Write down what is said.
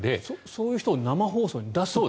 そういう人を生放送に出すと？